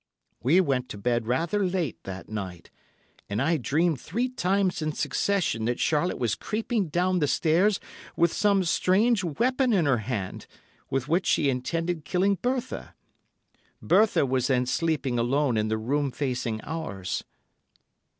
We went to bed rather late that night, and I dreamed three times in succession that Charlotte was creeping down the stairs with some strange weapon in her hand, with which she intended killing Bertha. Bertha was then sleeping alone in the room facing ours.